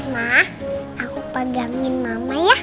ma aku pegangin mama ya